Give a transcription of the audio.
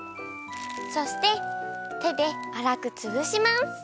そしててであらくつぶします。